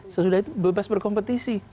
sesudah itu bebas berkompetisi